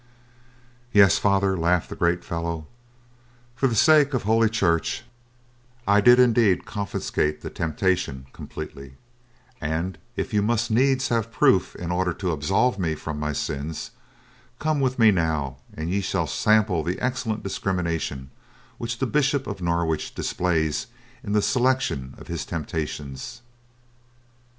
"Yes, Father," laughed the great fellow, "for the sake of Holy Church, I did indeed confiscate that temptation completely, and if you must needs have proof in order to absolve me from my sins, come with me now and you shall sample the excellent discrimination which the Bishop of Norwich displays in the selection of his temptations."